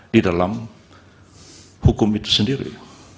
di dalam hukum itu sendiri